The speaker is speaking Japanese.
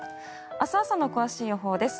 明日朝の詳しい予報です。